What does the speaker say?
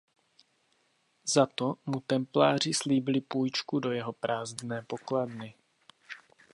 Za to mu templáři slíbili půjčku do jeho prázdné pokladny.